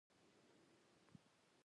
د وینې رګونه په دری ډوله دي.